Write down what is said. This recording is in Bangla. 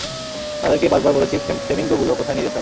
তাদেরকে বারবার বলেছি ফ্ল্যামিঙ্গোগুলো কোথায় নিয়ে যেতে হবে।